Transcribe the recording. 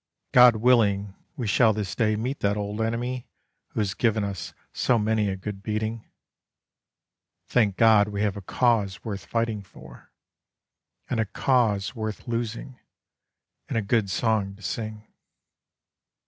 God willing, we shall this day meet that old enemy Who has given us so many a good beating. Thank God we have a cause worth fighting for, And a cause worth losing and a good song to sing.